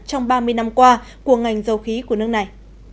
trong ba mươi năm qua của ngành dầu khí của nước này